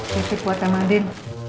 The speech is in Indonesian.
ketik buat emadin